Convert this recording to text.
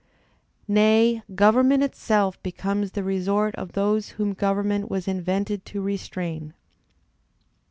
Nay, government itself becomes the resort of those whom government was invented to restrain."